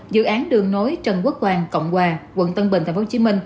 dự án đường nối trần quốc hoàng cộng hòa quận tân bình tp hcm